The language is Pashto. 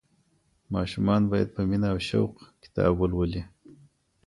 ماشومان باید په مینه او شوق کتاب ولولي.